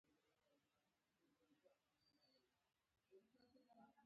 د تیرو څلورو لسیزو جګړو په پښتني سیمو کې ښوونیز زیربناوې ویجاړې کړي دي.